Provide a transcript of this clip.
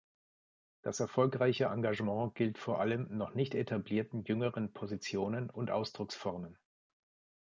Das erfolgreiche Engagement gilt vor allem noch nicht etablierten jüngeren Positionen und Ausdrucksformen.